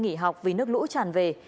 nghỉ học vì nước lũ tràn về